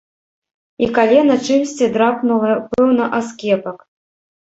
І калена чымсьці драпнула, пэўна аскепак.